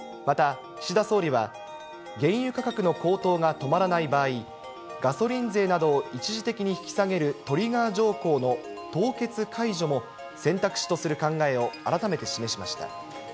また、岸田総理は、原油価格の高騰が止まらない場合、ガソリン税などを一時的に引き下げるトリガー条項の凍結解除も、選択肢とする考えを改めて示しました。